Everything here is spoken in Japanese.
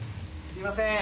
すいません。